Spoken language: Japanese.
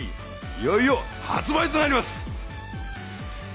いよいよ発売となります！